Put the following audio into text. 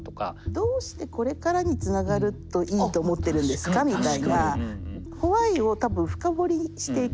どうしてこれからにつながるといいと思ってるんですかみたいな。